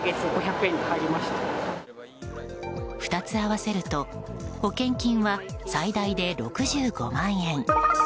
２つ合わせると保険金は最大で６５万円。